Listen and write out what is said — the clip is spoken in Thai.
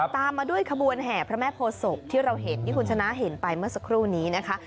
ตามมาด้วยขบวนแห่พระแม่โพศพที่เราเห็นที่คุณชนะเห็นไปเมื่อสักครู่นี้นะคะ